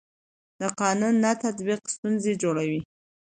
د قانون نه تطبیق ستونزې جوړوي